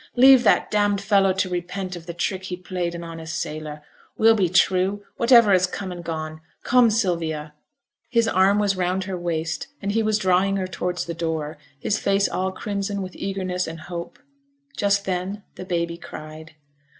Leave that damned fellow to repent of the trick he played an honest sailor; we'll be true, whatever has come and gone. Come, Sylvia.' His arm was round her waist, and he was drawing her towards the door, his face all crimson with eagerness and hope. Just then the baby cried.